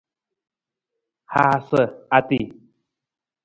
Haasa ati.